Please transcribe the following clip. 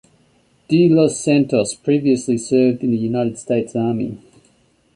De los Santos previously served in the United States Army.